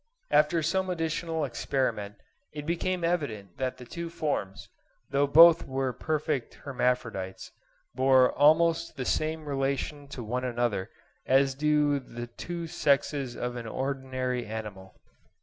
After some additional experiment, it became evident that the two forms, though both were perfect hermaphrodites, bore almost the same relation to one another as do the two sexes of an ordinary animal.